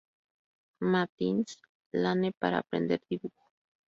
Matin’s Lane para aprender dibujo.